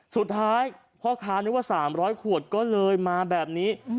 สุดท้ายพ่อค้านึกว่า๓๐๐ขวดก็เลยมาแบบนี้